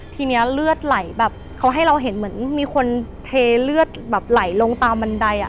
ทีนี้เลือดไหลแบบเขาให้เราเห็นเหมือนมีคนเทเลือดแบบไหลลงตามบันไดอ่ะ